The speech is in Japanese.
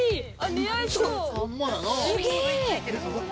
◆似合いそう。